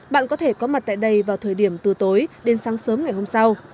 bạn có thể có mặt tại đây vào thời điểm từ tối đến sáng sớm ngày hôm sau